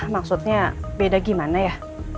maksudnya beda gimana ya